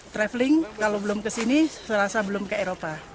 traveling kalau belum kesini serasa belum ke eropa